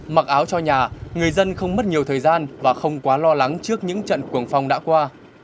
mặc áo cho nhà người dân không mất nhiều thời gian và không quá lo lắng trước những trận cuồng phong đã qua